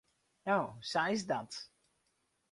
No, sa is dat.